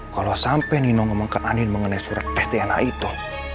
kalau sampai nino ngomongkan anies mengenai surat tes dna itu